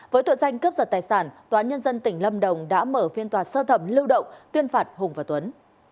với tội danh cướp giật tài sản tòa án nhân dân tỉnh lâm đồng đã mở phiên tòa sơ thẩm lưu động tuyên phạt hùng và tuấn